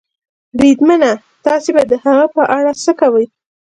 بریدمنه، تاسې به د هغه په اړه څه کوئ؟